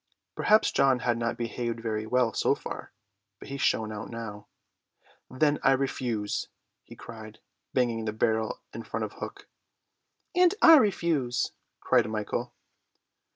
'" Perhaps John had not behaved very well so far, but he shone out now. "Then I refuse," he cried, banging the barrel in front of Hook. "And I refuse," cried Michael.